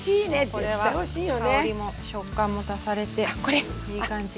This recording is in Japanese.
これは香りも食感も足されていい感じ。